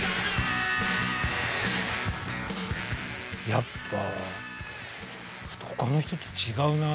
やっぱ他の人と違うなって。